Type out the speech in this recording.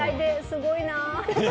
すごいな。